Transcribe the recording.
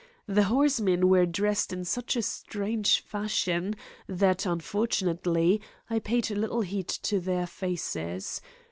The horsemen were dressed in such strange fashion that, unfortunately, I paid little heed to their faces.